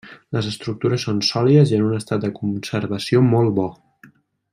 Les estructures són sòlides i en un estat de conservació molt bo.